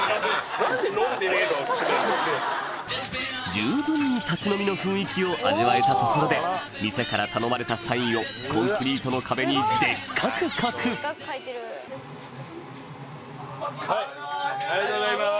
十分に立ち飲みの雰囲気を味わえたところで店から頼まれたサインをコンクリートの壁にでっかく書くありがとうございます。